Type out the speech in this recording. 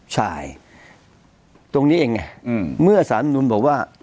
ใช่ตรงนี้เองไงเมื่อสารรัฐมนุนบอกว่า